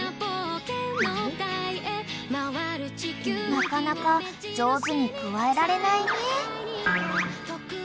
［なかなか上手にくわえられないね］